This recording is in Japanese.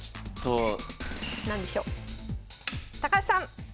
高橋さん！